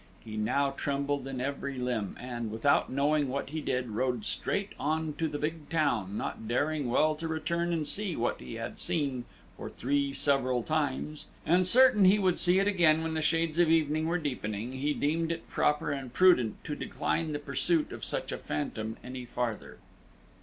He now trembled in every limb, and, without knowing what he did, rode straight on to the big town, not daring well to return and see what he had seen for three several times; and certain he would see it again when the shades of evening were deepening, he deemed it proper and prudent to decline the pursuit of such a phantom any farther.